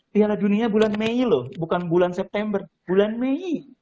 piala dunia bulan mei loh bukan bulan september bulan mei